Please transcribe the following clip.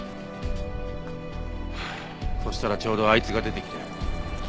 そしたらちょうどあいつが出てきて。